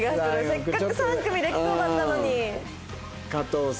せっかく３組できそうだったのに。